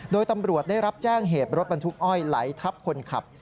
โดยตำรวจได้รับแจ้งเหตุรถบรรทุกอ้อยไหลทับคนขับ